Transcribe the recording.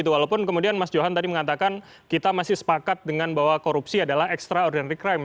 walaupun kemudian mas johan tadi mengatakan kita masih sepakat dengan bahwa korupsi adalah extraordinary crime